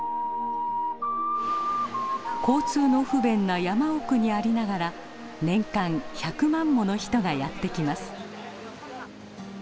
交通の不便な山奥にありながら年間１００万もの人がやって来ます。